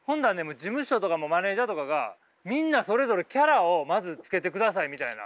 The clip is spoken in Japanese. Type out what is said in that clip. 事務所とかもマネージャーとかがみんなそれぞれキャラをまずつけてくださいみたいな。